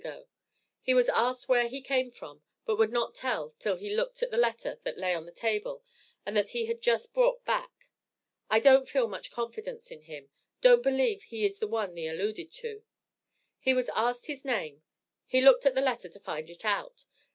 He was asked where he came from, but would not tell till he looked at the letter that lay on the table and that he had just brought back. I don't feel much confidence in him don't believe he is the one thee alluded to. He was asked his name he looked at the letter to find it out.